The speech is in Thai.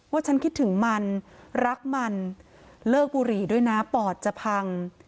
ฉันคิดถึงมันรักมันเลิกบุหรี่ด้วยนะปอดจะพัง